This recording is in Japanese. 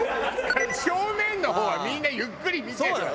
正面の方はみんなゆっくり見てるわよ。